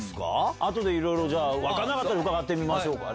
後でいろいろ分からなかったら伺いましょう。